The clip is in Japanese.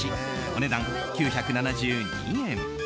お値段、９７２円。